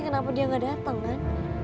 kenapa dia gak dateng kan